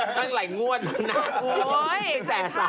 ตั้งไหล่งวดขนาด